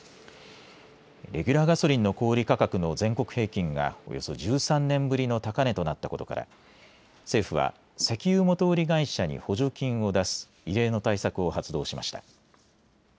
レギュラーガソリンの小売価格の全国平均がおよそ１３年ぶりの高値となったことから政府は石油元売り会社に補助金を出す異例の対策を発動しました。